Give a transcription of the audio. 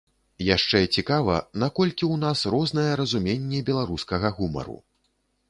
Яшчэ цікава, наколькі ў нас рознае разуменне беларускага гумару.